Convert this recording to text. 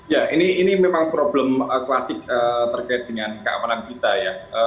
ya ini memang problem klasik terkait dengan keamanan kita ya